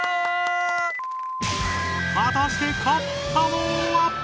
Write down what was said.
はたして勝ったのは！？